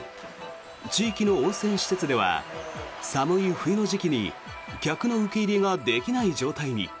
地域の温泉施設では寒い冬の時期に客の受け入れができない状態に。